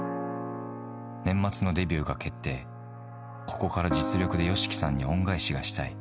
年末のデビューが決定、ここから実力でＹＯＳＨＩＫＩさんに恩返しがしたい。